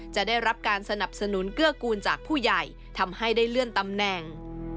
จะได้รับการสนับสนุนเกื้อกูลจากผู้ใหญ่ทำให้ได้เลื่อนตำแหน่ง